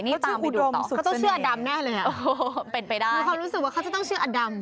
เขาชื่ออุดมสุขเสน่ห์เป็นไปได้มีความรู้สึกว่าเขาจะต้องชื่ออดำ